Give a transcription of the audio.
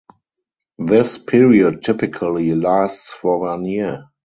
This period typically lasts for one year.